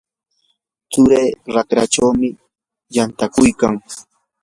tsurii raqrachaw yantakuykan.